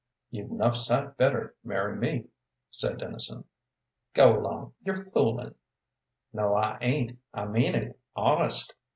"You'd 'nough sight better marry me," said Dennison. "Go along; you're fooling." "No, I ain't. I mean it, honest."